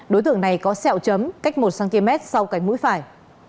đối tượng này có sẻo chấm cách một cm sau cạnh mũi phải